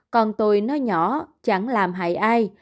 còn tôi nói nhỏ chẳng làm hại ai